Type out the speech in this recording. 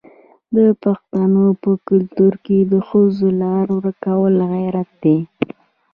د پښتنو په کلتور کې د ښځو لار ورکول غیرت دی.